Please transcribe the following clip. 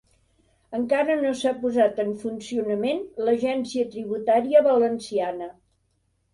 Encara no s'ha posat en funcionament l'Agència Tributària Valenciana